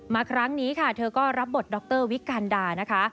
ครั้งนี้ค่ะเธอก็รับบทดรวิกันดานะคะ